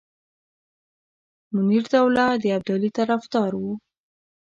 منیرالدوله د ابدالي طرفدار وو.